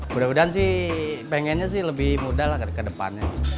mudah mudahan sih pengennya sih lebih mudah lah ke depannya